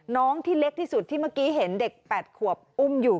น้องที่เล็กที่สุดที่เมื่อกี้เห็นเด็ก๘ขวบอุ้มอยู่